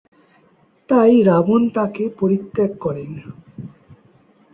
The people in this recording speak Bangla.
তাই রাবণ তাঁকে পরিত্যাগ করেন।